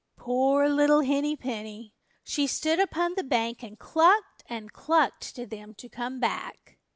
Poor little Henny Penny! She stood upon the bank and clucked and clucked to them to come back.